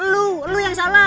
lu lu yang salah